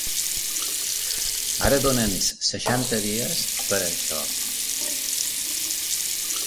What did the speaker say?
Ara dona'ns seixanta dies per a això.